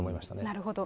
なるほど。